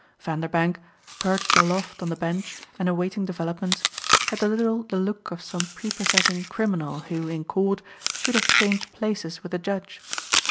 Vanderbank, perched aloft on the bench and awaiting developments, had a little the look of some prepossessing criminal who, in court, should have changed places with the judge.